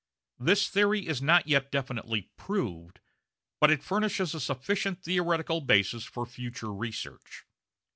This theory is not yet definitely proved, but it furnishes a sufficient theoretical basis for future research.